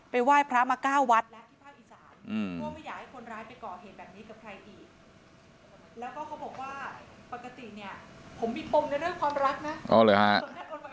ไปไว้พระมะก้าววัฒน์